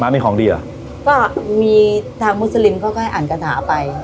มีของดีเหรอก็มีทางมุสลิมเขาก็ให้อ่านกระถาไป